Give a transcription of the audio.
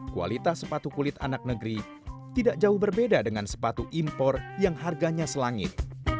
kualitas sepatu kulit anak negeri tidak jauh berbeda dengan sepatu impor yang harganya selangit